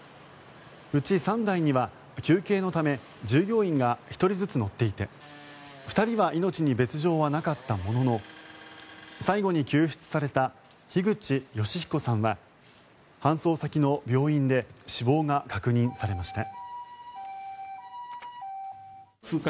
うち３台には、休憩のため従業員が１人ずつ乗っていて２人は命に別条はなかったものの最後に救出された樋口善彦さんは搬送先の病院で死亡が確認されました。